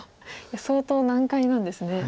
相当難解なんですね。